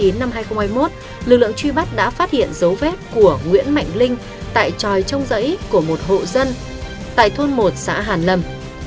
năm hai nghìn hai mươi một lực lượng truy bắt đã phát hiện dấu vết của nguyễn mạnh linh tại tròi trong dãy của một hộ dân tại thôn một xã hàn lâm